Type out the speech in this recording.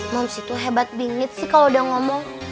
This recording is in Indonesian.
mams itu hebat bingit sih kalau udah ngomong